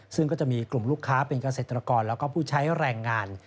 ซึ่งก็จะมีกลุ่มลูกค้าเป็นเกษตรกรแล้วก็ผู้ใช้แรงงาน